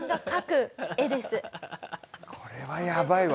これはやばいわ。